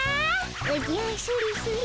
おじゃスリスリ。